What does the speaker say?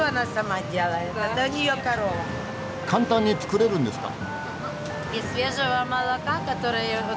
簡単に作れるんですか？